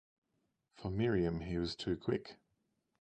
For Miriam he was too quick.